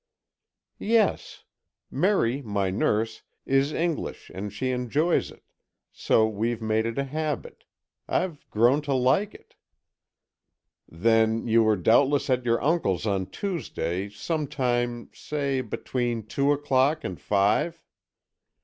"Yes. Merry, my nurse, is English and she enjoys it, so we've made it a habit. I've grown to like it." "Then, you were doubtless at your uncle's on Tuesday, sometime, say, between two o'clock and five."